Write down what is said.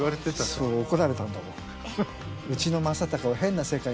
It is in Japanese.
そう怒られたんだもん